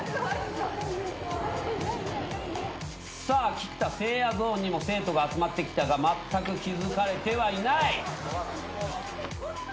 菊田せいやゾーンにも生徒が集まってきたがまったく気付かれてはいない。